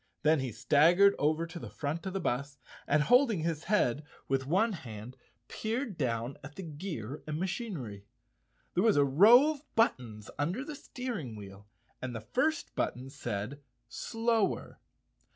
Then he staggered over to the front of the bus and, holding his head with one hand, peered down at the gear and machinery. There was a row of buttons under the steering wheel and the first button said "Slower."